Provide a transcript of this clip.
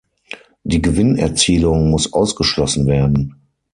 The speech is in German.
Die Gewinnerzielung muss ausgeschlossen werden.